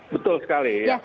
betul sekali ya